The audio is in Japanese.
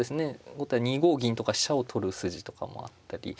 後手は２五銀とか飛車を取る筋とかもあったり。